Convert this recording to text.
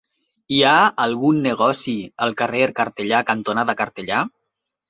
Hi ha algun negoci al carrer Cartellà cantonada Cartellà?